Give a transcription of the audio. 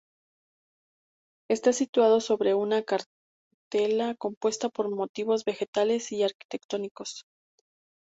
Está situado sobre una cartela compuesta por motivos vegetales y arquitectónicos.